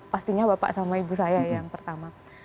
pastinya bapak sama ibu saya yang pertama